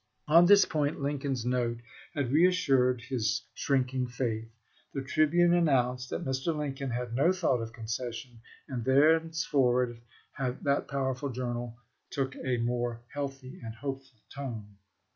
" *On this point Lincoln's note had reassured his shrinking faith. The "Tribune" announced that Mr. Lincoln had no thought of concession, and thenceforward that powerful journal took a more healthy and hopeful tone.